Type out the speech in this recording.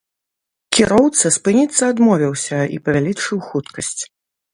Кіроўца спыніцца адмовіўся і павялічыў хуткасць.